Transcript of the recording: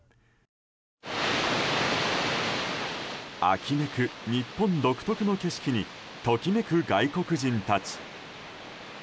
秋めく日本独特の景色にときめく外国人たち。